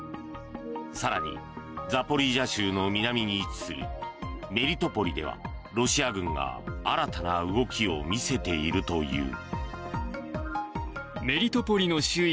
更にザポリージャ州の南に位置するメリトポリではロシア軍が新たな動きを見せているという。